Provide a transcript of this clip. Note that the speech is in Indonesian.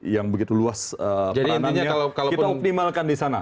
yang begitu luas peranannya kita optimalkan di sana